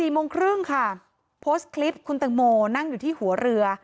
โมงครึ่งค่ะโพสต์คลิปคุณตังโมนั่งอยู่ที่หัวเรือ